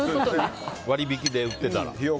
割引で売ってたら。